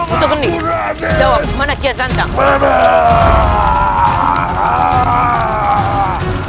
utakani jawab dimana kiyasantang